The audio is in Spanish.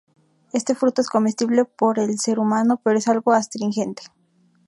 Este fruto es comestible por el ser humano, pero es algo astringente.